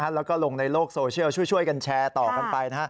แล้วก็ลงในโลกโซเชียลช่วยกันแชร์ต่อกันไป